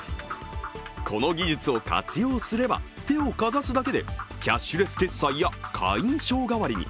この技術を活用すれば手をかざすだけでキャッシュレス決済や会員証代わりに。